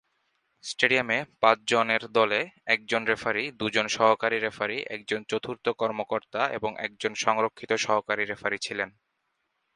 স্টেডিয়ামে পাঁচ জনের দলে একজন রেফারি, দুইজন সহকারী রেফারি, একজন চতুর্থ কর্মকর্তা এবং একজন সংরক্ষিত সহকারী রেফারি ছিলেন।